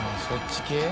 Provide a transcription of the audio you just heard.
そっち系？